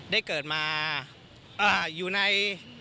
ได้เกิดมาอยู่ใน